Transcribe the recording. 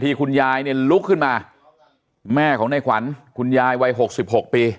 คุณยายเนี่ยลุกขึ้นมาแม่ของในขวัญคุณยายวัยหกสิบหกปี